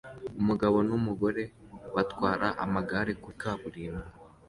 Umugabo numugore batwara amagare kuri kaburimbo